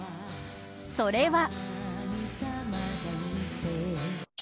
それは。